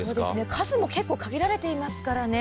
数も結構限られていますからね。